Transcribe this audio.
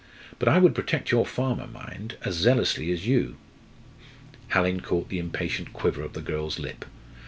But I would protect your farmer mind! as zealously as you." Hallin caught the impatient quiver of the girl's lip.